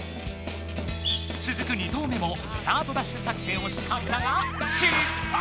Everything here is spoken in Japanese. つづく２投目もスタートダッシュ作戦をしかけたが失敗！